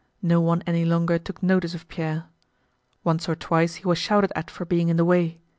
No one any longer took notice of Pierre. Once or twice he was shouted at for being in the way.